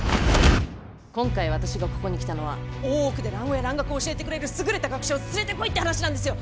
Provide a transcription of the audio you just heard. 今回私がここに来たのは大奥で蘭語や蘭学を教えてくれる優れた学者を連れてこいって話なんですよ！